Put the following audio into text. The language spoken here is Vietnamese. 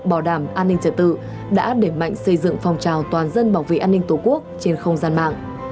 bảo đảm an ninh trật tự đã để mạnh xây dựng phòng trào toàn dân bảo vệ an ninh tổ quốc trên không gian mạng